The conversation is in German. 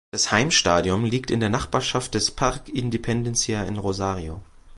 Das Heimstadion liegt in der Nachbarschaft des Parque Independencia in Rosario.